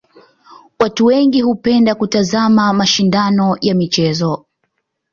Watu wengi hupenda kutazama mashindano ya michezo.